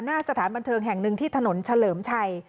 หน้าสถานบันเทิงแห่งหนึ่งที่ถนนเฉลิมชัย